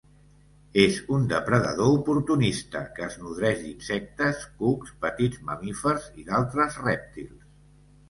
És un depredador oportunista que es nodreix d'insectes, cucs, petits mamífers i d'altres rèptils.